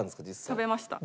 食べました。